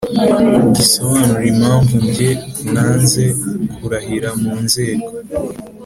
gisobanura impamvu njye nanze kurahira mu nzego